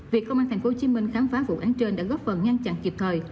việc công an tp hcm khám phá vụ án trên đã góp phần ngăn chặn kịp thời